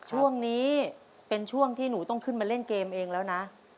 ช่วงนี้เป็นช่วงที่หนูต้องขึ้นมาเล่นเกมเองแล้วนะ